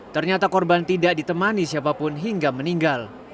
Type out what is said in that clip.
ternyata korban tidak ditemani siapapun hingga meninggal